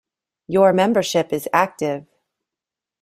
Your membership is active.